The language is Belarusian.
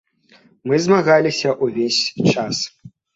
Мы змагаліся ўвесь час.